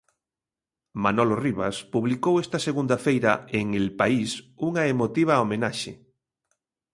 Manolo Rivas publicou esta segunda feira en El País unha emotiva homenaxe.